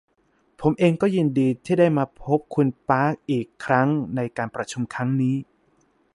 ผมเองก็ยินดีที่ได้มาพบคุณปาร์คอีกครั้งนการประชุมครั้งนี้